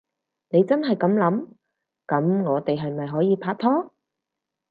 你真係噉諗？噉我哋係咪可以拍拖？